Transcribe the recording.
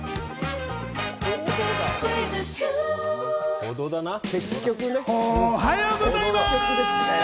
おはようございます！